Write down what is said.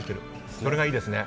これがいいですね。